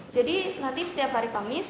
jadi nanti setiap hari kamis